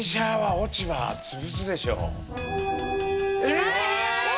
え！？